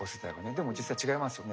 でも実際は違いますよね。